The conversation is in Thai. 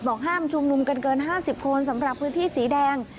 ห้ามชุมนุมกันเกิน๕๐คนสำหรับพื้นที่สีแดง